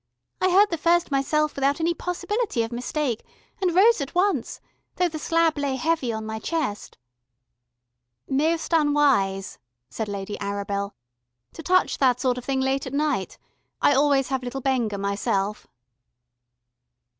I heard the first myself without any possibility of mistake, and rose at once, though the slab lay heavy on my chest " "Most unwise," said Lady Arabel, "to touch that sort of thing late at night. I always have a little Benger myself."